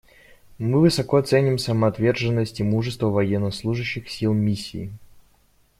Мы высоко ценим самоотверженность и мужество военнослужащих сил Миссии.